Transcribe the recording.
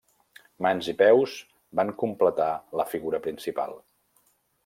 Mans i peus van completar la figura principal.